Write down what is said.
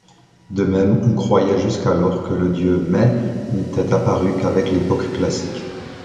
De même, on croyait jusqu'alors que le dieu Mais n'était apparu qu'avec l'Époque classique.